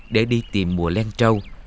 để đi tìm mùa len trâu